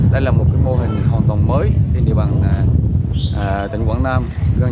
đây là một mô hình hoàn toàn mới trên địa bằng tỉnh quang nam